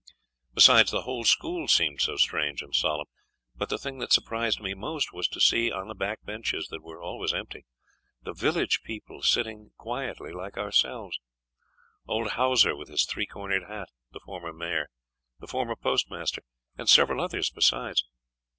Besides, the whole school seemed so strange and solemn. But the thing that surprised me most was to see, on the back benches that were always empty, the village people sitting quietly like ourselves; old Hauser, with his three cornered hat, the former mayor, the former postmaster, and several others besides.